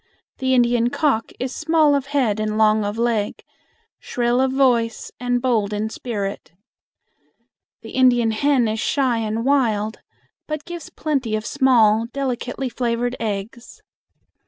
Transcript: The Indian cock is small of head and long of leg, shrill of voice and bold in spirit. The Indian hen is shy and wild, but gives plenty of small, delicately flavored eggs.